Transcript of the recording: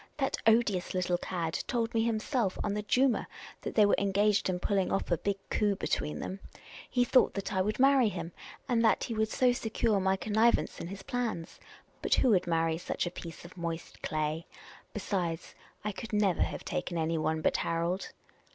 That odious little cad told me himself on \.\\^ Jumna they were engaged in pulling off ' a big coup ' between them. He thought then I would marry him, and that he would so secure my connivance in his plans ; but who would marry such a piece of moist clay ? Besides, I could never have taken anyone but Harold."